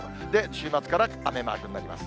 週末から雨マークになります。